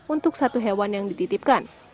untuk satu hewan yang dititipkan